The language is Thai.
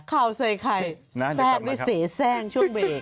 ข่าวเศษใครแทรกวิศีแทรกช่วงเวียก